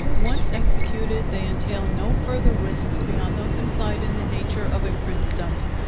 Once executed, they entail no further risks beyond those implied in the nature of a princedom.